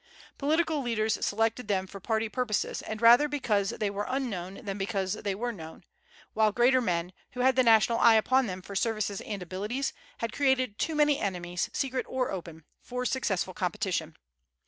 Political leaders selected them for party purposes, and rather because they were unknown than because they were known; while greater men, who had the national eye upon them for services and abilities, had created too many enemies, secret or open, for successful competition.